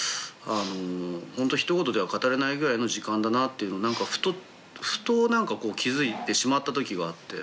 ホントひと言では語れないぐらいの時間だなというのを何かふと気付いてしまった時があって。